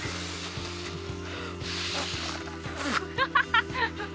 ハハハハ！